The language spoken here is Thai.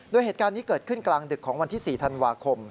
โดยเหตุการณ์นี้เกิดขึ้นกลางดึกของวันที่๔ธันวาคม